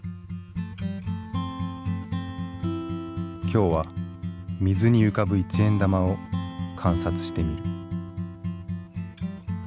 今日は水に浮かぶ一円玉を観察してみる。